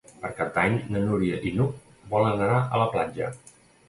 Per Cap d'Any na Núria i n'Hug volen anar a la platja.